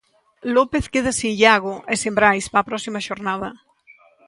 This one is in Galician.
López queda sen Iago e sen Brais para a próxima xornada.